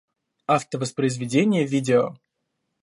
Автовоспроизведение видео